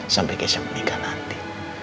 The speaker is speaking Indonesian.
sampai kesha menikah nanti